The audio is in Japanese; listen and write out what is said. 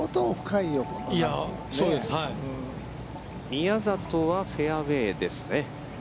宮里はフェアウェイですね。